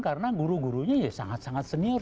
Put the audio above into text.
karena guru gurunya sangat sangat senior